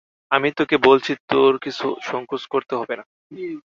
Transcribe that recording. আমি তোকে বলছি তোর কিছু সংকোচ করতে হবে না।